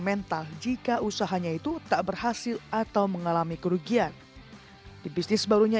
mental jika usahanya itu tak berhasil atau mengalami kerugian di bisnis barunya